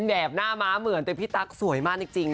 แบบหน้าม้าเหมือนแต่พี่ตั๊กสวยมากจริง